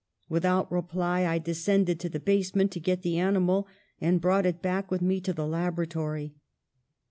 ^'Without reply, I descended to the basement to get the animal, and brought it back with me to the laboratory.